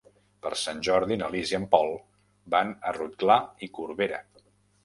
Per Sant Jordi na Lis i en Pol van a Rotglà i Corberà.